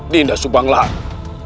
dinda subang lara